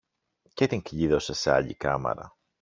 και την κλείδωσε σε άλλη κάμαρα.